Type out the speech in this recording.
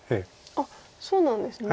そうなんですね。